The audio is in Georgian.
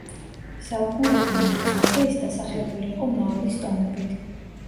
საუკუნეთა მანძილზე ის დასახლებული იყო მაორის ტომებით.